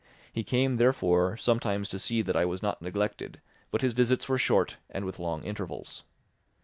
He came, therefore, sometimes to see that I was not neglected, but his visits were short and with long intervals.